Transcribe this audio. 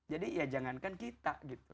jadi ya jangankan kita gitu